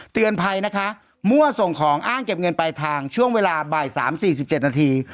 เตือนภัยนะคะมั่วส่งของอ้างเก็บเงินปลายทางช่วงเวลาบ่าย๓๔๗นาที